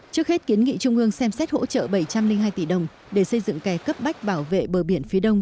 trước hết kiến nghị trung ương xem xét hỗ trợ bảy trăm linh hai tỷ đồng để xây dựng kè cấp bách bảo vệ bờ biển phía đông